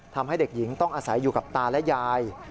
ทำให้เด็กหญิงต้องอาศัยอยู่กับตาและยาย